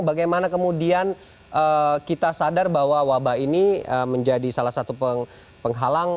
bagaimana kemudian kita sadar bahwa wabah ini menjadi salah satu penghalang